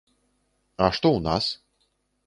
А што ў нас?